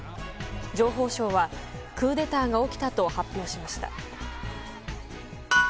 情報省は、クーデターが起きたと発表しました。